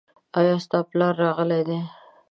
ایا ستا پلار راغلی دی ؟